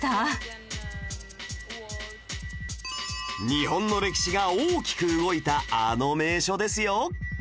日本の歴史が大きく動いたあの名所ですよ